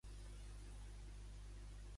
Com és, actualment, Lictos?